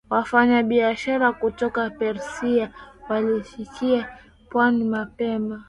Wafanyabiashara kutoka Persia walifikia pwani mapema